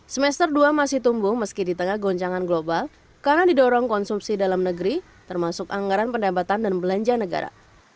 semester dua masih tumbuh meski di tengah goncangan global karena didorong konsumsi dalam negeri termasuk anggaran pendapatan dan belanja negara